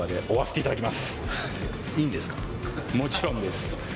もちろんです！